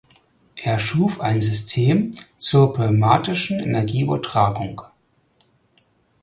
Er schuf ein System zur pneumatischen Energieübertragung.